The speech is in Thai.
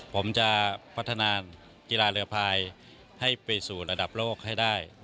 ผมจะพัฒนากีฬาเรือพายให้ไปสู่ระดับโลกให้ได้